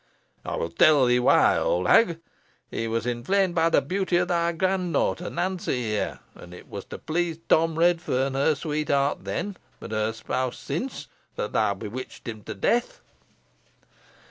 "I will tell thee why, old hag," cried Nicholas; "he was inflamed by the beauty of thy grand daughter Nancy here, and it was to please Tom Redferne, her sweetheart then, but her spouse since, that thou bewitchedst him to death."